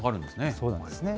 そうなんですね。